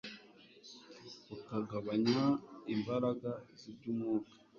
bukagabanya imbaraga zibyumwuka…